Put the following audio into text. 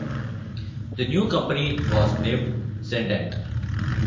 The new company was named Cendant.